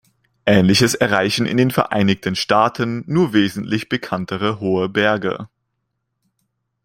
Ähnliches erreichen in den Vereinigten Staaten nur wesentlich bekanntere hohe Berge.